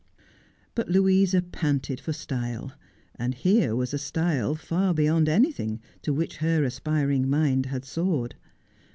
But Louisa panted for style, and here was a style far beyond anything to which her aspiring mind had soared.